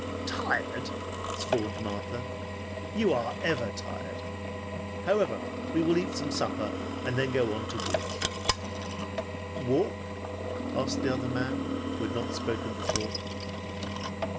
"Tired?" scorned Martha. "You are ever tired! However, we will eat some supper, and then on to Lodz." "Walk?" asked the other man, who had not spoken before.